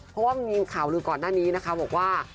เพราะว่ามันมีข่าวลือก่อนหน้านี้นะคะบอกว่า